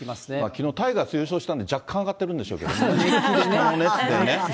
きのうタイガース優勝したんで若干上がってるんでしょうけどね、人の熱でね。